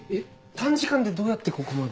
短時間でどうやってここまで？